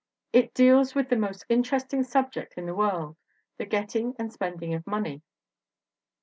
It deals with the most interesting subject in the world the getting and spending of money.